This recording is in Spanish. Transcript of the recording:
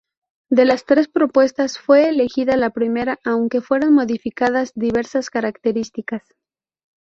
De las tres propuestas, fue elegida la primera, aunque fueron modificadas diversas características.